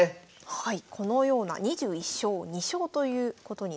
はい。